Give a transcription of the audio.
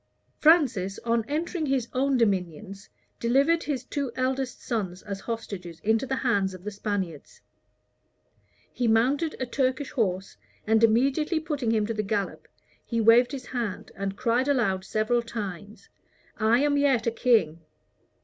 Francis, on entering his own dominions, delivered his two eldest sons as hostages into the hands of the Spaniards. He mounted a Turkish horse, and immediately putting him to the gallop, he waved his hand, and cried aloud several times, "I am yet a king."